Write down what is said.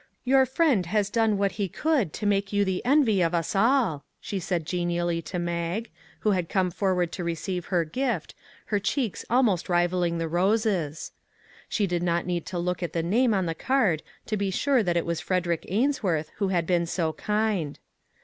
" Your friend has done what he could to make you the envy of us all," she said genially to Mag, who had come forward to receive her gift, her cheeks almost rivaling the roses. She did not need to look at the name on the card to be sure that it was Frederick Ainsworth who had been so kind.